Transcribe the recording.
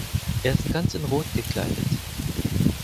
Er ist ganz in Rot gekleidet.